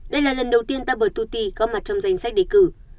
đây là lần đầu tiên doublet có mặt trong danh sách đề cử